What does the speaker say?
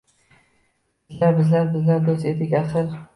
Bizlar…bizlar..bizlar do’st edik axir